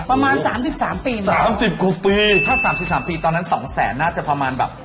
ประมาณ๓๓ปีเหรอคะถ้า๓๓ปีตอนนั้น๒แสนน่าจะประมาณแบบ